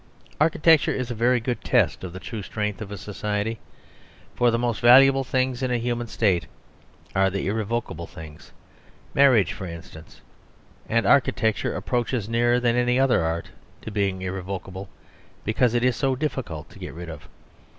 Architecture is a very good test of the true strength of a society, for the most valuable things in a human state are the irrevocable things marriage, for instance. And architecture approaches nearer than any other art to being irrevocable, because it is so difficult to get rid of.